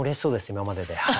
今までで。